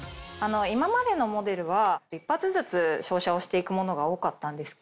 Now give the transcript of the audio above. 今までのモデルは１発ずつ照射をして行くものが多かったんです。